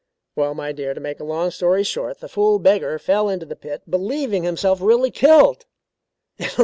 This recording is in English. "Well, my dear, to make a long story short, the fool beggar fell into the pit, believing himself really killed.